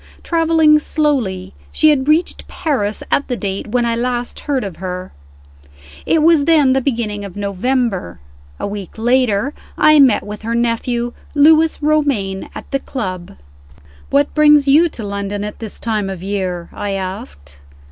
Traveling slowly, she had reached Paris at the date when I last heard of her. It was then the beginning of November. A week later, I met with her nephew, Lewis Romayne, at the club. "What brings you to London at this time of year?" I asked.